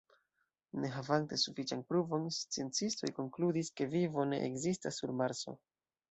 Ne havante sufiĉan pruvon, sciencistoj konkludis, ke vivo ne ekzistas sur Marso.